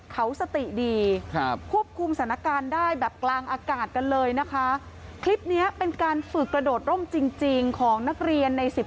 เขาสติดีครับควบคุมสถานการณ์ได้แบบกลางอากาศกันเลยนะคะคลิปเนี้ยเป็นการฝึกกระโดดร่มจริงจริงของนักเรียนในสิบ